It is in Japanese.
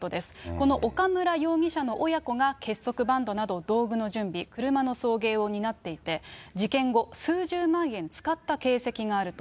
この岡村容疑者の親子が、結束バンドなど、道具の準備、車の送迎を担っていて、事件後、数十万円使った形跡があると。